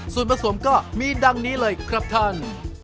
ส่วนผสมก็มีดังนี้เลยครับท่าน